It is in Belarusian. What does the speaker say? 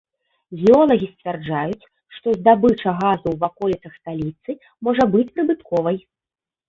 Геолагі сцвярджаюць, што здабыча газу ў ваколіцах сталіцы можа быць прыбытковай.